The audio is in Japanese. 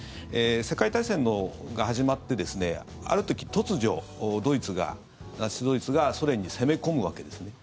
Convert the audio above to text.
世界大戦が始まってある時、突如、ドイツがナチス・ドイツがソ連に攻め込むわけですね。